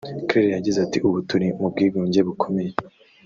Claire yagize ati "Ubu turi mu bwigunge bukomeye